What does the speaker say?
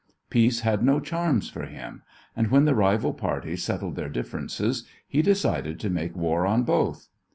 Peace had no charms for him, and when the rival parties settled their differences he decided to make war on both.